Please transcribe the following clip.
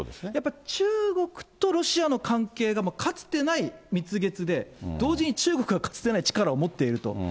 やっぱり中国とロシアの関係がかつてない蜜月で、同時に中国がかつてない力を持っていると。